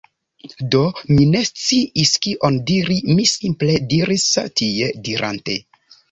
Do mi ne sciis kion diri, mi simple sidis tie, dirante "..."